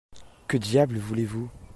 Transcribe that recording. Que diable voulez-vous ?